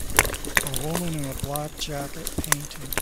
A woman in a black jacket painting